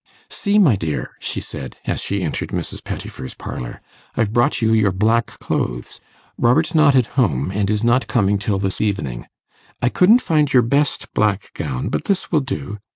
'See, my dear,' she said, as she entered Mrs. Pettifer's parlour; 'I've brought you your black clothes. Robert's not at home, and is not coming till this evening. I couldn't find your best black gown, but this will do.